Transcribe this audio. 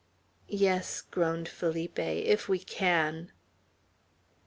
"Yes," groaned Felipe, "if we can!"